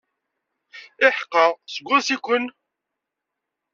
Iḥeqqa, seg wansi-ken?